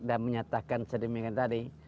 dan menyatakan sedemikian tadi